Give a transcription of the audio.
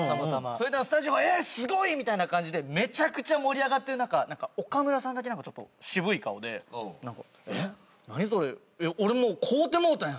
それでスタジオが「えっすごい！」みたいな感じでめちゃくちゃ盛り上がってる中岡村さんだけ渋い顔で「えっ何それ俺もう買うてもうたやん」